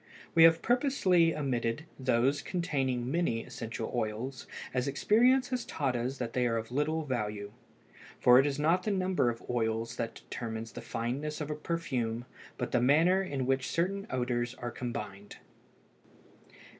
We have purposely omitted those containing many essential oils, as experience has taught us that they are of little value; for it is not the number of oils that determines the fineness of a perfume, but the manner in which certain odors are combined.